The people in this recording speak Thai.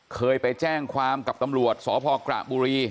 เคยไปแจ้งความกับตำรวจสพกระบุรี